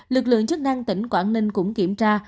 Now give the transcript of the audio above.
lực lượng chức năng tỉnh quảng ninh cũng kiểm tra